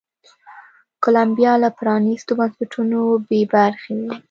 کولمبیا له پرانیستو بنسټونو بې برخې ده.